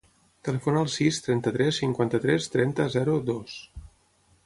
Telefona al sis, trenta-tres, cinquanta-tres, trenta, zero, dos.